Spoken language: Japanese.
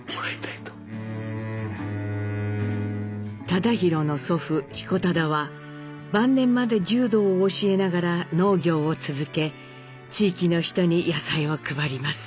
忠宏の祖父彦忠は晩年まで柔道を教えながら農業を続け地域の人に野菜を配ります。